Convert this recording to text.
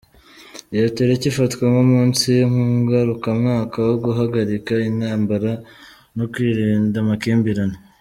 Iyo tariki ifatwa nk’umunsi ngarukamwaka wo guhagarika intambara no kwirinda amakimbirane.